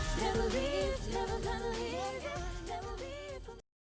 jangan kau ragu takut aku pergi darimu